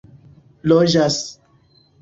logas